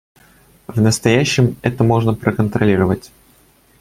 В настоящем это можно проконтролировать